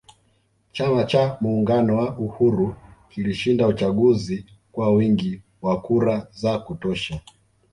Chama cha muungano wa uhuru kilishinda uchaguzi kwa wingi wa kura za kutosha